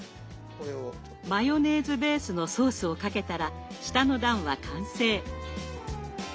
マヨネーズベースのソースをかけたら下の段は完成。